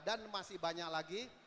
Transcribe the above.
dan masih banyak lagi